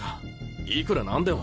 いくら何でも。